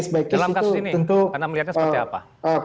dalam kasus ini anda melihatnya seperti apa